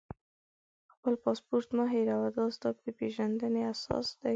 خپل پاسپورټ مه هېروه، دا ستا د پېژندنې اساس دی.